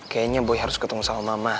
kayaknya boy harus ketemu sama mama